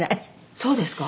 「そうですか？